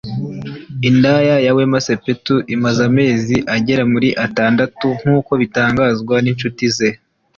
Inda ya Wema Sepetu imaze amezi agera muri atandatu nk’uko bitangazwa n’inshuti ze